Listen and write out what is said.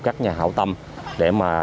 các nhà hảo tâm để mà